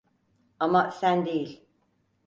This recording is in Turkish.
Ama sen değil.